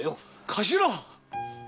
頭！